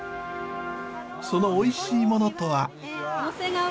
そのおいしいものとは。